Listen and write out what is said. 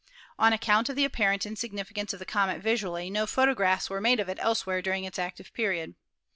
On account of the apparent insignificance of the comet visually, no photographs were made of it elsewhere during its active period.